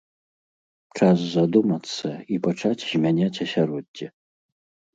Час задумацца і пачаць змяняць асяроддзе!